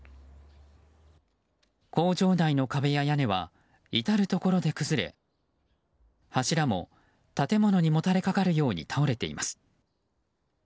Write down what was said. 工場内の壁や屋根は至るところで崩れ柱も建物にもたれかかるように倒れています。